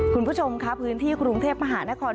คุณผู้ชมค่ะพื้นที่กรุงเทพมหานคร